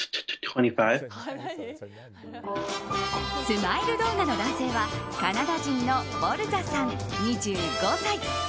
スマイル動画の男性はカナダ人のボルザさん、２５歳。